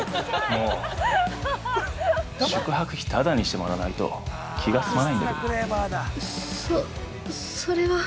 もう、宿泊費、ただにしてもらわないと、気が済まないんだけど。